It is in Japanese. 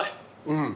うん。